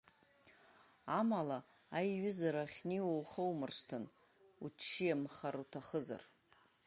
Амала аиҩызара ахьнеиуа ухаумыршҭын, уччиамхар уҭахызар.